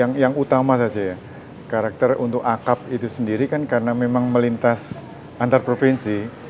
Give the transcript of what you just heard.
karena yang utama saja ya karakter untuk akap itu sendiri kan karena memang melintas antar provinsi